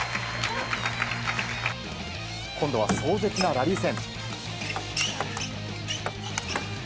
今度は壮絶なラリー戦。